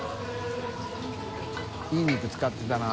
いて使ってたな。